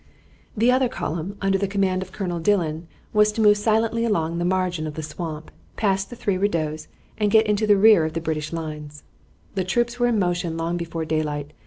The other column, under the command of Count Dillon, was to move silently along the margin of the swamp, pass the three redoubts, and get into the rear of the British lines. The troops were in motion long before daylight.